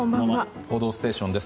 「報道ステーション」です。